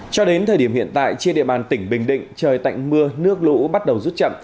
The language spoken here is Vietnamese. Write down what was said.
cho đến thời điểm hiện tại trên địa bàn tỉnh bình định trời tạnh mưa nước lũ bắt đầu rút chậm